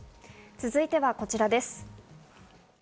続いてはこちらです。